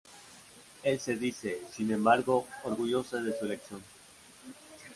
Él se dice, sin embargo, "orgulloso" de su elección.